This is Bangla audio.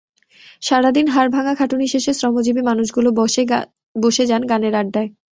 সারা দিন হাড়ভাঙা খাটুনি শেষে শ্রমজীবী মানুষগুলো বসে যান গানের আড্ডায়।